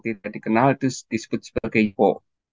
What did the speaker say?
tidak dikenal itu disebut sebagai kok